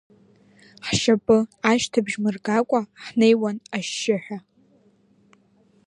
Ҳшьапы ашьҭыбжь мыргакәа ҳнеиуан ашьшьыҳәа.